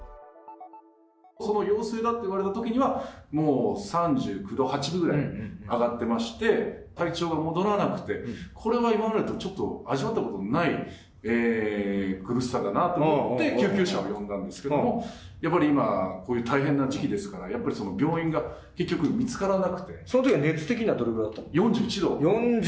その陽性だと言われたときには、もう３９度８分ぐらいに上がってまして、体調が戻らなくて、これは今までとちょっと、味わったことのない苦しさだなと思って救急車を呼んだんですけども、やっぱり今、こういう大変な時期ですから、やっぱりその、病院が結局見つからなそのとき、４１度。